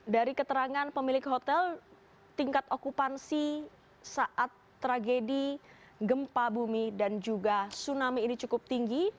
dari keterangan pemilik hotel tingkat okupansi saat tragedi gempa bumi dan juga tsunami ini cukup tinggi